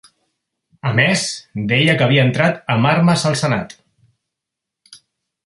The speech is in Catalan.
A més, deia que havia entrat amb armes al senat.